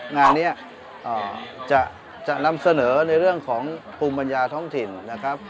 งานนี้จะนำเสนอในเรื่องของภูมิปัญญาท้องถิ่นนะครับ